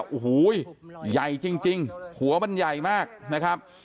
โอ้โหใหญ่จริงหัวมันใหญ่มากนะครับ